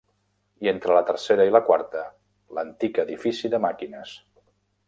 I entre la tercera i la quarta, l'antic edifici de màquines.